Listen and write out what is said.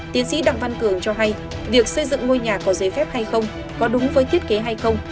tiến sĩ đặng văn cường cho hay việc xây dựng ngôi nhà có giấy phép hay không có đúng với thiết kế hay không